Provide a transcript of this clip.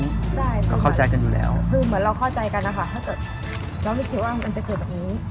ได้คือเหมือนเราเข้าใจกันนะคะถ้าเกิดเราไม่คิดว่ามันจะเกิดแบบนี้